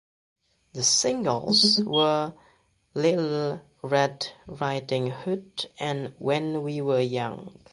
The singles were "Lil Red Riding Hood" and "When We Were Young".